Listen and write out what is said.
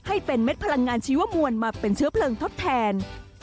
ให้เป็นเม็ดพลังงานชีวมวลมาเป็นเชื้อเพลิงทดแทน